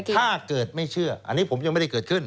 ถ้าเกิดไม่เชื่ออันนี้ผมยังไม่ได้เกิดขึ้น